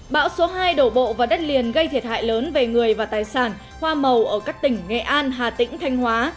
bão số hai đổ bộ vào đất liền gây thiệt hại lớn về người và tài sản hoa màu ở các tỉnh nghệ an hà tĩnh thanh hóa